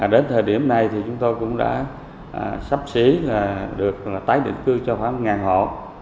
đến thời điểm này thì chúng tôi cũng đã sắp xỉ được tái định cư cho khoảng một hộ